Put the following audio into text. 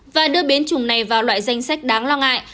và đưa biến chủng này vào loại danh sách đáng lo ngại